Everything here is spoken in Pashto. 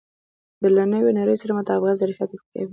له نوې نړۍ سره د مطابقت ظرفیت ورکوي.